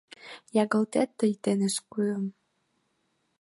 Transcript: Ягылтет тый теҥыз кӱым